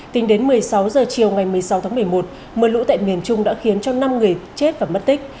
tính đến một mươi sáu h chiều ngày một mươi sáu tháng một mươi một mưa lũ tại miền trung đã khiến cho năm người chết và mất tích